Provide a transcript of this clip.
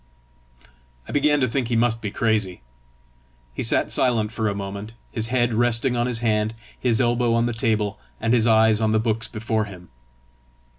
I began to think he must be crazy. He sat silent for a moment, his head resting on his hand, his elbow on the table, and his eyes on the books before him.